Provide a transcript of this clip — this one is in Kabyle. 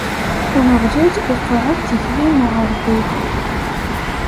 Ameɣlal iqeɛɛed tikli n uɛerḍi.